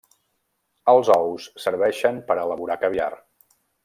Els ous serveixen per a elaborar caviar.